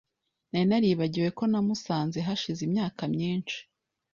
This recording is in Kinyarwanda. Nari naribagiwe ko namusanze hashize imyaka myinshi .